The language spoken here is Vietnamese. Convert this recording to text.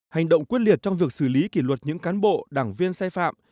hành động quyết liệt trong việc xử lý kỷ luật những cán bộ đảng viên sai phạm